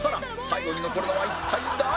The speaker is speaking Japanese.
最後に残るのは一体誰？